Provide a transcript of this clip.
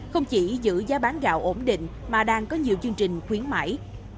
không chỉ giữ giá bán gạo ổn định mà đang có nhiều chương trình khuyến mãi